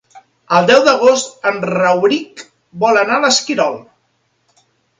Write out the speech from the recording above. El deu d'agost en Rauric vol anar a l'Esquirol.